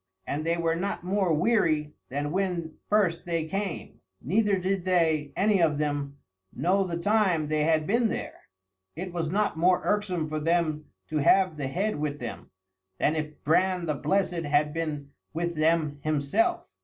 And they were not more weary than when first they came, neither did they, any of them, know the time they had been there. It was not more irksome for them to have the head with them, than if Bran the Blessed had been with them himself.